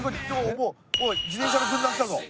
おい自転車の軍団来たぞ。